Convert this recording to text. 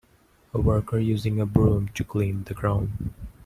A worker using a broom to clean the ground.